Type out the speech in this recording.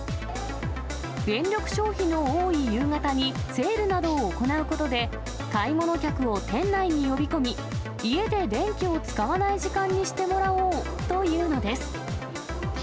電力消費の多い夕方にセールなどを行うことで、買い物客を店内に呼び込み、家で電気を使わない時間にしてもらおうというのです。